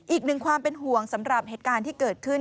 อีกหนึ่งความเป็นห่วงสำหรับเหตุการณ์ที่เกิดขึ้น